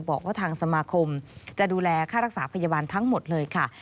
บอกว่าทางสมาคมจะดูแลค่ารักษาพยาบาลทั้งหมดเลยค่ะ